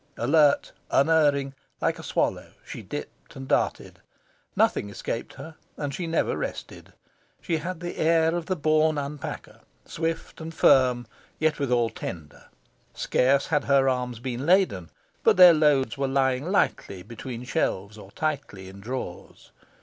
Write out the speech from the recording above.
Alert, unerring, like a swallow she dipped and darted. Nothing escaped her, and she never rested. She had the air of the born unpacker swift and firm, yet withal tender. Scarce had her arms been laden but their loads were lying lightly between shelves or tightly in drawers.